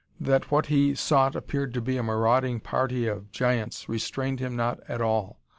That what he sought appeared to be a maraudering party of giants restrained him not at all.